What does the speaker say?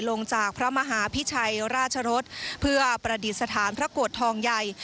ลงจากพระมหาพิชัยราชรสเพื่อประดิษฐานพระโกรธทองใหญ่